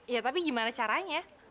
iya tapi gimana caranya